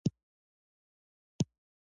د سمنګان په دره صوف پاین کې سکاره شته.